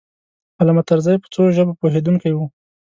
علامه طرزی په څو ژبو پوهېدونکی و.